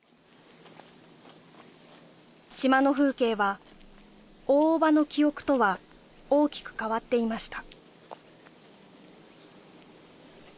島の風景は大伯母の記憶とは大きく変わっていました